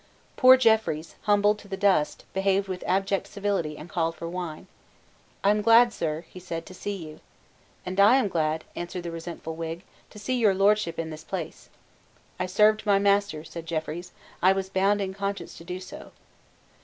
Poor Jeffreys, humbled to the dust, behaved with abject civility, and called for wine. "I am glad, sir," he said, "to see you." "And I am glad," answered the resentful Whig, "to see Your Lordship in this place." "I served my master," said Jeffreys: "I was bound in conscience to do so."